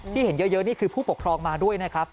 เห็นเยอะนี่คือผู้ปกครองมาด้วยนะครับ